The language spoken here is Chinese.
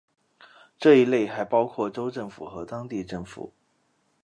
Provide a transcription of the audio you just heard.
这一类还包括州政府和当地政府。